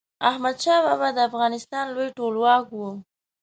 احمد شاه بابا د افغانستان لوی ټولواک و.